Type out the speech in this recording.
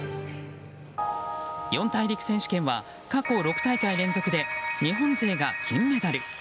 四大陸選手権は過去６大会連続で日本勢が金メダル。